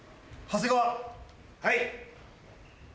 はい。